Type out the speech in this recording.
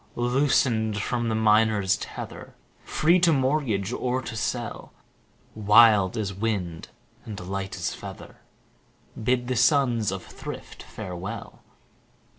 Loosen'd from the minor's tether, 5 Free to mortgage or to sell, Wild as wind, and light as feather, Bid the sons of thrift farewell.